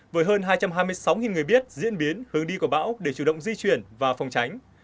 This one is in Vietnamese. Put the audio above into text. với hơn hai trăm hai mươi sáu người biết diễn biến hướng đi của bão để chủ động di chuyển và phòng tránh